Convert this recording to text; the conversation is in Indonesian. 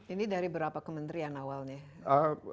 ini dari berapa kementerian awalnya